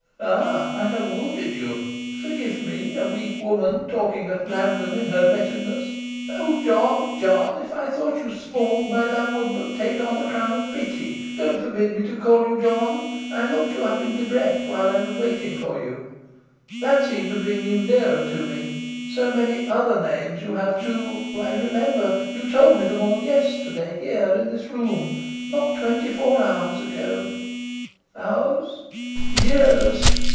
Ah, I have wounded you? Forgive me, a weak woman, talking at random in her wretchedness. Oh John, John, if I thought you small, my love would but take on the crown of pity. Don't forbid me to call you John. I looked you up in Debrett while I was waiting for you. That seemed to bring you nearer to me. So many other names you have, too. I remember you told me them all yesterday, here in this room not twenty four hours ago. Hours? Years!"